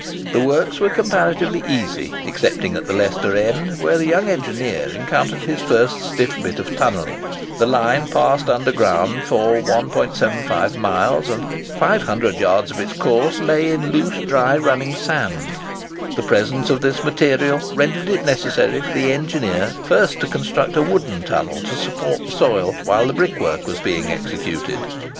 The works were comparatively easy, excepting at the Leicester end, where the young engineer encountered his first stiff bit of tunnelling. The line passed underground for 1¾ mile, and 500 yards of its course lay in loose dry running sand. The presence of this material rendered it necessary for the engineer first to construct a wooden tunnel to support the soil while the brickwork was being executed.